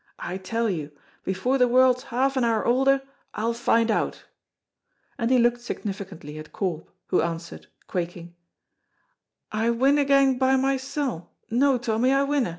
I tell you, before the world's half an hour older, I'll find out," and he looked significantly at Corp, who answered, quaking, "I winna gang by mysel', no, Tommy, I winna!"